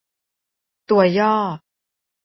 ตัวย่อ